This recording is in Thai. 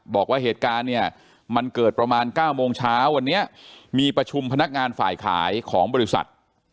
บอกว่าเหตุการณ์เนี่ยมันเกิดประมาณ๙โมงเช้าวันนี้มีประชุมพนักงานฝ่ายขายของบริษัท